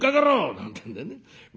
なんてえんでね水